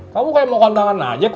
kamu kayak mau ke kondangan aja